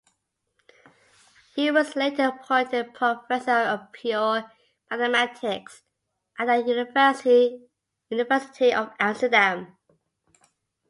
He was later appointed professor of pure mathematics at the University of Amsterdam.